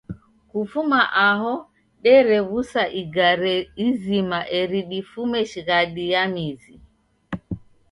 Kufuma aho derew'usa igare izima eri difume shighadi ya mizi.